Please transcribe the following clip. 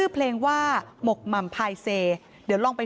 เพลงที่สุดท้ายเสียเต้ยมาเสียชีวิตค่ะ